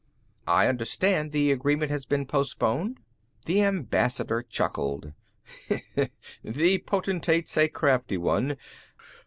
"I understand the agreement has been postponed." The Ambassador chuckled. "The Potentate's a crafty one.